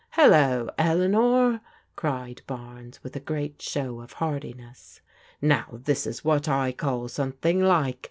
"Hello, Eleanor!" cried Barnes, with great show of heartiness. " Now this is what I call something like.